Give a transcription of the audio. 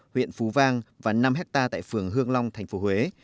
huyện phú vang và năm hectare tại phường hương long tp huế